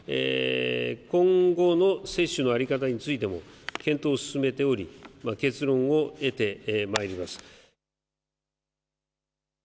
今後の接種の在り方についても検討を進めており結論を得てまいります。